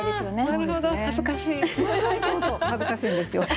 そうそう恥ずかしいんですよ。